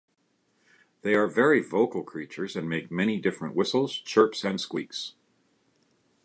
They are very vocal creatures and make many different whistles, chirps, and squeaks.